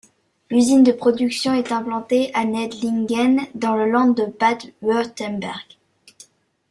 L'usine de production est implantée à Neidlingen dans le land de Bade-Wurtemberg.